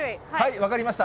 分かりました。